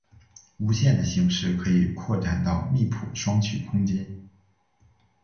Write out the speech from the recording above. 无限的形式可以扩展到密铺双曲空间。